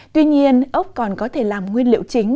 tuy nhiên ốc còn có thể làm nguyên liệu chính